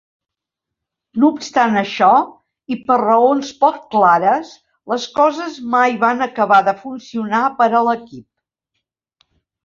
No obstant això, i per raons poc clares, les coses mai van acabar de funcionar per a l'equip.